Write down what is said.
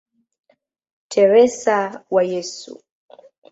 Teresa wa Yesu".